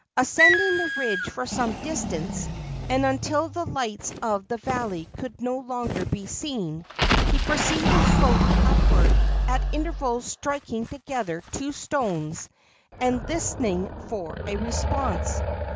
Ascending the ridge for some distance, and until the lights of the valley could no longer be seen, he proceeded slowly upward, at intervals striking together two stones and listening for a response.